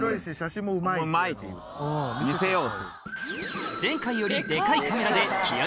見せよう。